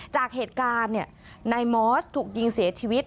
จากเหตุการณ์นายมอสถูกยิงเสียชีวิต